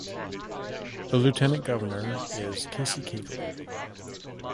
The Lieutenant Governor is Casey Cagle.